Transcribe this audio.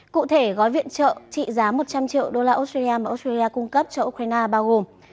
cụ thể gói viện trợ trị giá một trăm linh triệu đô la australia mà australia cung cấp cho ukraine bao gồm